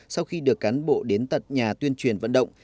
sau khi được cán bộ đến tận nhà tuyên truyền vận động